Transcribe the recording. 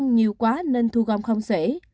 nhiều quá nên thu gom không xể